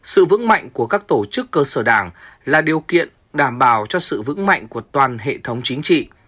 sự vững mạnh của các tổ chức cơ sở đảng là điều kiện đảm bảo cho sự vững mạnh của toàn hệ thống chính trị